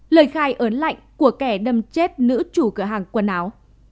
lời khai ớn lạnh của kẻ đâm chết nữ chủ cửa hàng quần áo